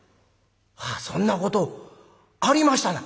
ああそんなことありましたな」。